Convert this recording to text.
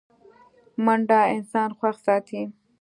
منډه انسان خوښ ساتي